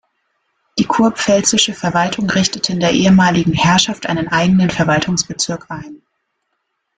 Die kurpfälzische Verwaltung richtete in der ehemaligen Herrschaft einen eigenen Verwaltungsbezirk ein.